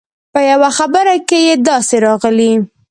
په یوه برخه کې یې داسې راغلي.